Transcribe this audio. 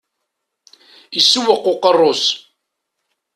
Isewweq uqerru-s.